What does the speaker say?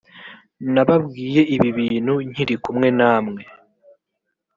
nababwiye ibi bintu nkiri kumwe namwe